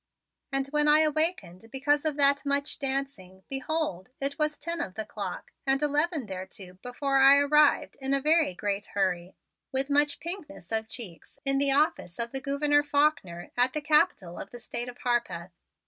And when I awakened, because of that much dancing, behold, it was ten of the clock and eleven thereto before I arrived in a very great hurry with much pinkness of cheeks in the office of the Gouverneur Faulkner at the Capitol of the State of Harpeth.